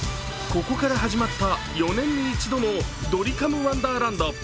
ここから始まった４年に一度の「ドリカムワンダーランド」。